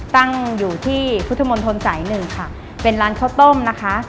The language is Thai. ตั้งอยู่ที่พุทธมนตรสายหนึ่งค่ะเป็นร้านข้าวต้มนะคะ